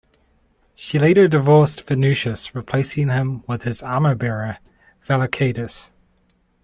She later divorced Venutius, replacing him with his armour-bearer, Vellocatus.